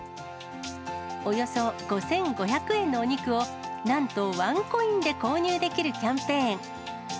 およそ５５００円のお肉を、なんとワンコインで購入できるキャンペーン。